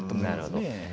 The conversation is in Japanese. なるほど。